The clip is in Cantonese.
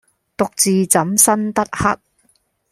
獨自怎生得黑！